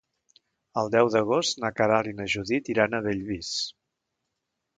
El deu d'agost na Queralt i na Judit iran a Bellvís.